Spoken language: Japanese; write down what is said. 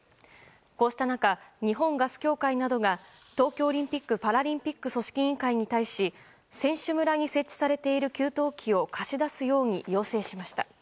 こうした中、日本ガス協会などが東京オリンピック・パラリンピック組織委員会に対し選手村に設置されている給湯器を貸し出すように要請しました。